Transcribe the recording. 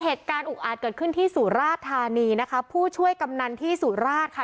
เหตุการณ์อุกอาจเกิดขึ้นที่สุราธานีนะคะผู้ช่วยกำนันที่สุราชค่ะ